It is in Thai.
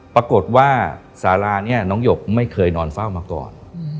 ปรากฏว่าสารานี้น้องหยกไม่เคยนอนเฝ้ามาก่อน